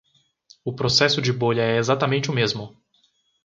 O processo de bolha é exatamente o mesmo.